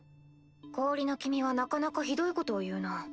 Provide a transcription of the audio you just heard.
氷の君はなかなかひどいことを言うなぁ。